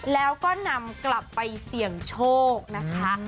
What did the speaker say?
แล้วก็นำกลับไปเสี่ยงโชคนะคะ